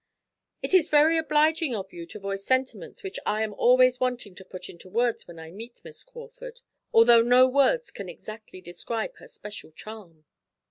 "It is very obliging of you to voice sentiments which I am always wanting to put into words when I meet Miss Crawford. Although no words can exactly describe her special charm."